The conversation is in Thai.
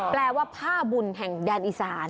แปลว่าผ้าบุญแห่งแดนอีสาน